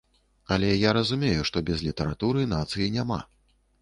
Але я разумею, што без літаратуры нацыі няма.